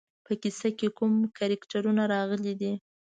په کیسه کې کوم کرکټرونه راغلي دي.